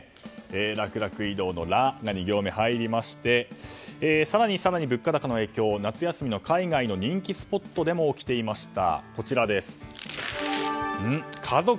楽々移動の「ラ」が２行目に入りまして更に更に物価高の影響は夏休みの海外の人気スポットでも起きていました。